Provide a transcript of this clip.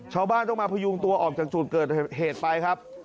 ชาวบ้านต้องมาพยุงตัวออกจากจุดเกิดเหตุไปครับ